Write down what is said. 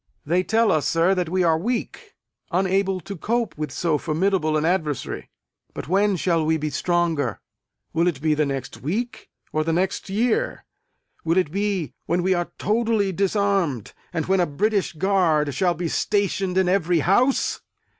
They tell us, sir, that we are weak; unable to cope with so formidable an adversary. But when shall we be stronger? Will it be the next week, or the next year? Will it be when we are totally disarmed, and when a British guard shall be stationed in every house?